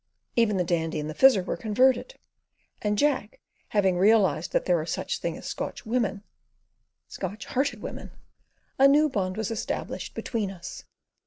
Even the Dandy and the Fizzer were converted; and Jack having realised that there are such things as Scotchwomen—Scotch hearted women—a new bond was established between us.